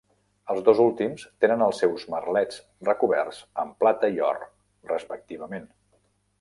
Els dos últims tenen els seus merlets recoberts amb plata i or, respectivament.